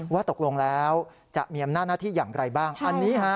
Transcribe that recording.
ว่าตกลงแล้วจะมีอำนาจหน้าที่อย่างไรบ้าง